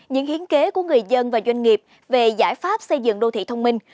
những hiến kế của người dân và doanh nghiệp về giải pháp xây dựng đô thị thông minh